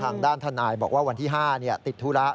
ทางด้านทนายบอกว่าวันที่๕ติดธุระ